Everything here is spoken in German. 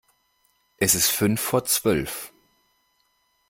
Es ist fünf vor Zwölf.